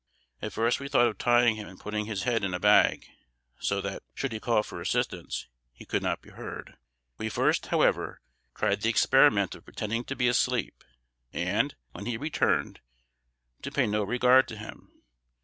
At first we thought of tying him and putting his head in a bag, so that, should he call for assistance, he could not be heard. We first, however, tried the experiment of pretending to be asleep, and, when he returned, to pay no regard to him.